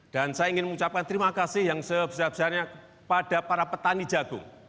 dan saya ingin mengucapkan terima kasih yang sebesar besarnya kepada para petani jagung